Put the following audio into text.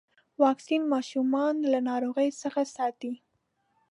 واکسین ماشومان له ناروغيو څخه ساتي.